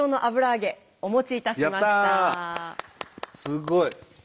すごい！